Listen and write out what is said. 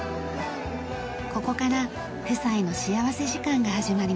ここから夫妻の幸福時間が始まります。